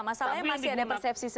masalahnya masih ada persepsi seperti itu